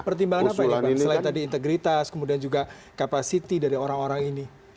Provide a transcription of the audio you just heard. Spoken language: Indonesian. pertimbangan apa ini pak selain tadi integritas kemudian juga kapasiti dari orang orang ini